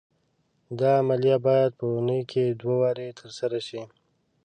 دا عملیه باید په اونۍ کې دوه وارې تر سره شي.